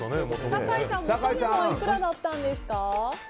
酒井さん元値はいくらだったんですか？